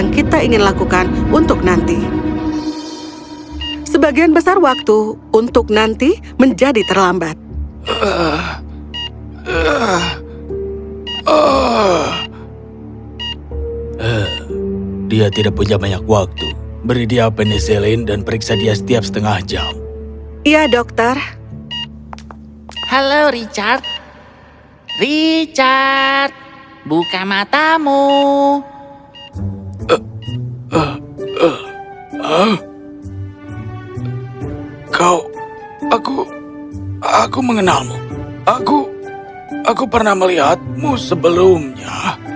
kau aku aku mengenalmu aku aku pernah melihatmu sebelumnya